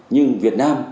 nhưng việt nam